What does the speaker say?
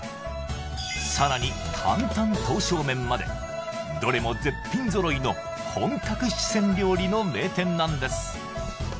さらにまでどれも絶品揃いの本格四川料理の名店なんです